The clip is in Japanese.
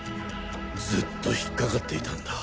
ずっと引っかかっていたんだ。